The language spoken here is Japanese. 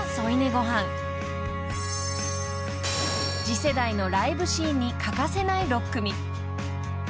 ［次世代のライブシーンに欠かせない６組］